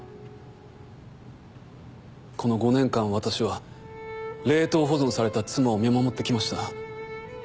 この５年間私は冷凍保存された妻を見守って来ました。